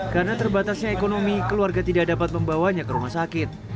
karena terbatasnya ekonomi keluarga tidak dapat membawanya ke rumah sakit